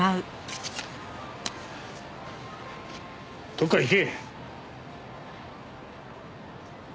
どっか行け。